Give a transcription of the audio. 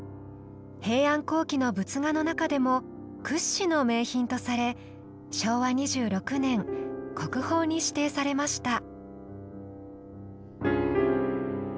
平安後期の仏画の中でも屈指の名品とされ昭和２６年国宝に指定されました。